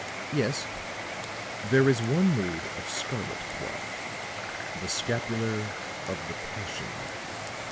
"Yes." "There is one made of scarlet cloth the 'Scapular of the Passion.'